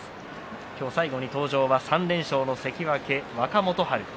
今日、最後に登場は３連勝の関脇若元春。